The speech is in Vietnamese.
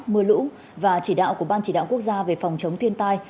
mưa lũ và chỉ đạo của ban chỉ đạo quốc gia về phòng chống thiên tai